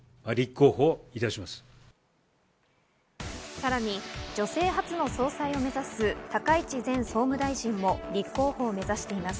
さらに女性初の総裁を目指す高市前総務大臣も立候補を目指しています。